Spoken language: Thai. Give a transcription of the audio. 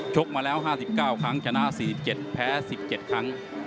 กมาแล้ว๕๙ครั้งชนะ๔๗แพ้๑๗ครั้ง